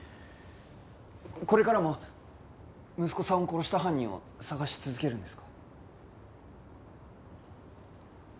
これからも息子さんを殺した犯人を捜し続けるんですか？